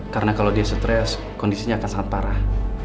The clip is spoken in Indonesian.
karena kalau dia stres kondisinya akan sangat parah